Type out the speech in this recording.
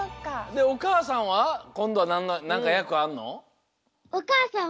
でおかあさんはこんどはなんかやくあんの？